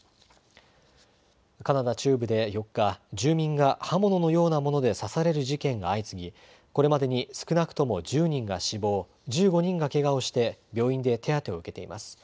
カナダ中部で４日、住民が刃物のようなもので刺される事件が相次ぎこれまでに少なくとも１０人が死亡、１５人がけがをして病院で手当てを受けています。